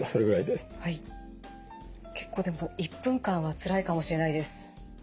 結構でも１分間はつらいかもしれないです。